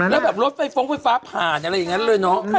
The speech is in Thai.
แล้วแบบรถไฟฟ้องไฟฟ้าผ่านอะไรอย่างนั้นเลยเนาะ